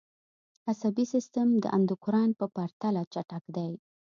عصبي سیستم د اندوکراین په پرتله چټک دی